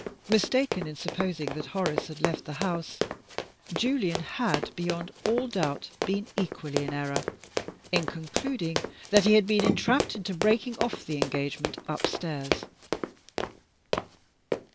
Mistaken in supposing that Horace had left the house, Julian had, beyond all doubt, been equally in error in concluding that he had been entrapped into breaking off the engagement upstairs.